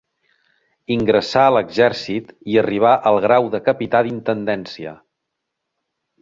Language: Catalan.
Ingressà a l'exèrcit i arribà al grau de capità d'intendència.